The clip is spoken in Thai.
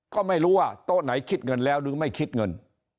ก็ไม่รู้ว่าโต๊ะไหนคิดเงินแล้วหรือไม่คิดเงิน